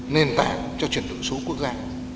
nền tảng cho chuyển đổi số quốc gia